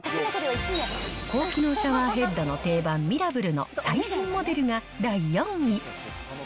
高機能シャワーヘッドの定番、ミラブルの最新モデルが第４位。